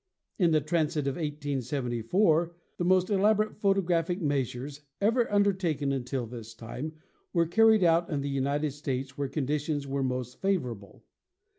In the transit of 1874 the most elaborate photographic measures ever undertaken until this time, were carried out in the United States where conditions were most favorable.